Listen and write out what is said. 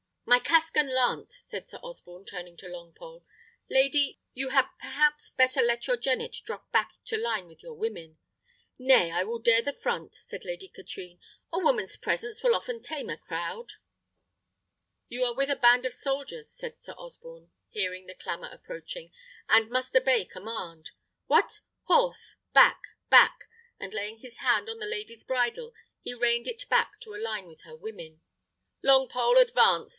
"My casque and lance," said Sir Osborne, turning to Longpole. "Lady, you had perhaps better let your jennet drop back to a line with your women." "Nay, I will dare the front," said Lady Katrine; "a woman's presence will often tame a crowd." "You are with a band of soldiers," said Sir Osborne, hearing the clamour approaching, "and must obey command. What! horse; back, back!" and laying his hand on the lady's bridle, he reined it back to a line with her women. "Longpole, advance!"